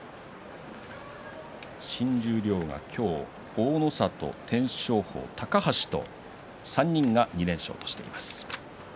新十両が今日大の里、天照鵬、高橋と３人が２連勝としています。